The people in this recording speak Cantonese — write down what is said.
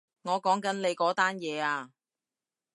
我講緊你嗰單嘢啊